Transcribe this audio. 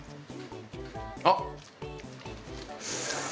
あっ！